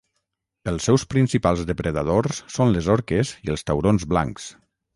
Els seus principals depredadors són les orques i els taurons blancs.